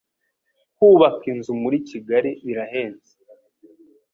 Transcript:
kubaka inzu muri Kigali birahenze